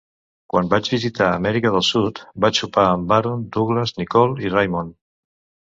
Quan vaig visitar Amèrica del Sud, vaig sopar amb Aaron Douglas, Nicole i Raymond.